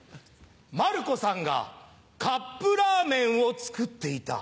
馬るこさんがカップラーメンを作っていた。